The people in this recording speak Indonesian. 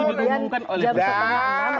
itu diumumkan oleh pemerintah